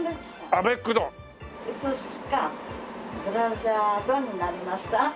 いつしかブラジャー丼になりました。